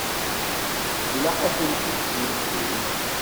Ilaq ad tent-id-smektin.